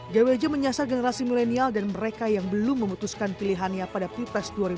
gwj menyasar generasi milenial dan mereka yang belum memutuskan pilihannya pada pilpres dua ribu sembilan belas